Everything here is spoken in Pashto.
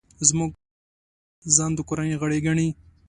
زموږ خر ځان د کورنۍ غړی ګڼي.